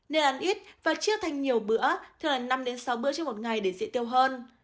nên ăn ít và chia thành nhiều bữa thường là năm sáu bữa trên một ngày để dễ tiêu hơn